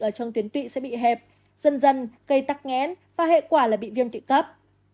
ở trong tuyến tụy sẽ bị hẹp dần dần gây tắc nghẽn và hệ quả là bị viêm tụy cấp